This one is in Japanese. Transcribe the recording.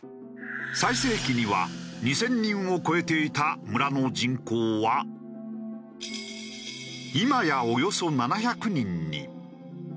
最盛期には２０００人を超えていた村の人口は今やおよそ７００人に。